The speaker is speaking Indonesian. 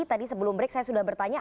tadi sebelum break saya sudah bertanya